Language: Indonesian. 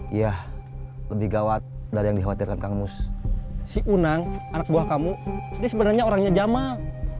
iya lebih gawat dari yang dikhawatirkan kamus si unang anak buah kamu ini sebenarnya orangnya jamal